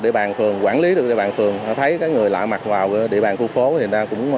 địa bàn phường quản lý được địa bàn phường thấy người lạ mặt vào địa bàn khu phố thì người ta cũng